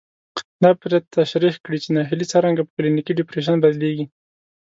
دا پرې تشرېح کړي چې ناهيلي څرنګه په کلينيکي ډېپريشن بدلېږي.